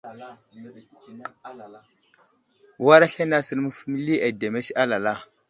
War aslane asər məli ademes alala.